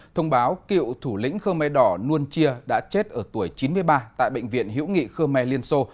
thông báo cựu thủ lĩnh khơ mê đỏ nuân chia đã chết ở tuổi chín ba tại bệnh viện hiễu nghị khơ mê liên xô